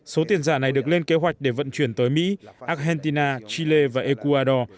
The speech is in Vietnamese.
số tiền giả này được lên kế hoạch để vận chuyển tới mỹ argentina chile và ecuador